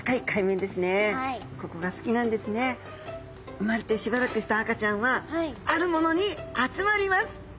生まれてしばらくした赤ちゃんはあるものに集まります。